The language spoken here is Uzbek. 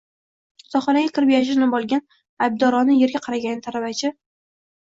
Yotoqxonaga kirib yashirinib olgan, aybdorona erga qaradi tarbiyachi